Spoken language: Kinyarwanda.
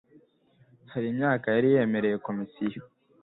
hari imyanya yari yemereye Komisiyo